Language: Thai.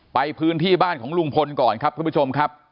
ไปพื้นที่บ้านของลุงพลก่อนครับท่านผู้ชมครับ